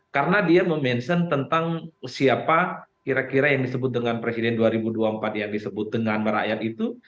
karena dia memention tentang siapa kira kira yang disebut dengan presiden dua ribu dua puluh empat yang disebut dengan rakyat itu